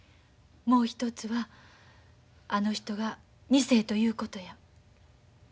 もう一つはあの人が二世ということや。